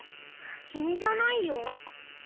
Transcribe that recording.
きみじゃないよ。